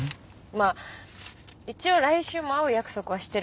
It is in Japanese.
まあ一応来週も会う約束はしてるけど。